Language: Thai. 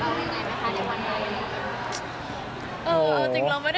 มันพิเศษของเรายังไงแม้คะในวันนายนี้